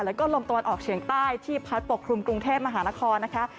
แล้วก็ลมตะวันออกเฉียงใต้ที่พัดปกคลุมกรุงเทพมหานครนะคะ